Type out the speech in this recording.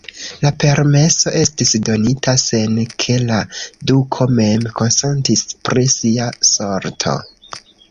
La permeso estis donita, sen ke la duko mem konsentis pri sia sorto.